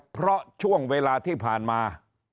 เพราะช่วงเวลาที่ผ่านมา